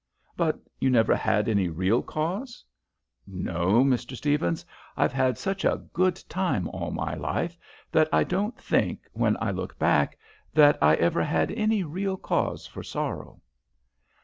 "But you never had any real cause?" "No, Mr. Stephens, I've had such a good time all my life, that I don't think, when I look back, that I ever had any real cause for sorrow."